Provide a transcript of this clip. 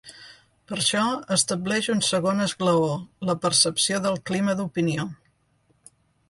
Per això, estableix un segon esglaó, la percepció del clima d'opinió.